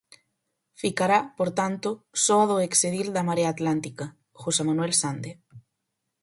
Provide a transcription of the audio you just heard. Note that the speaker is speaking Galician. Ficará, por tanto, só a do ex edil da Marea Atlántica, José Manuel Sande.